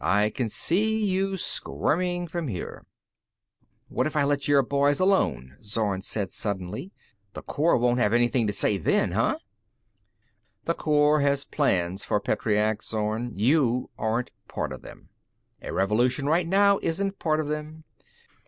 I can see you squirming from here." "What if I let your boys alone?" Zorn said suddenly. "The Corps won't have anything to say then, huh?" "The Corps has plans for Petreac, Zorn. You aren't part of them. A revolution right now isn't part of them.